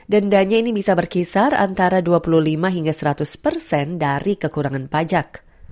dendanya ini bisa berkisar antara dua puluh lima hingga seratus persen dari kekurangan pajak